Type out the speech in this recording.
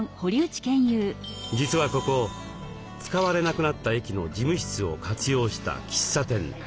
実はここ使われなくなった駅の事務室を活用した喫茶店。